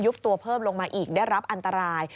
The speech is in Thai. ตัวเพิ่มลงมาอีกได้รับอันตราย